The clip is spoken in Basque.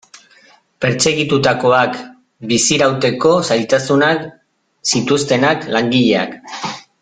Pertsegitutakoak, bizirauteko zailtasunak zituztenak, langileak...